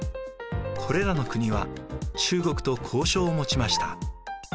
これらの国は中国と交渉を持ちました。